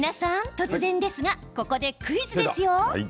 突然ですがここでクイズですよ。